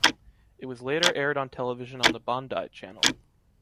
It was later aired on television on the Bandai Channel.